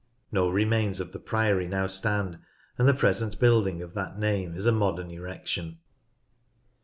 No remains of the priory now stand, and the present building of that name is a modern erection.